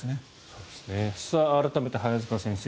改めて早坂先生